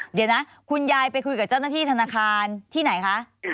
เดี๋ยวนะคุณยายไปคุยกับเจ้าหน้าที่ธนาคารที่ไหนคะ